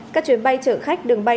các chuyến bay chở khách đường bay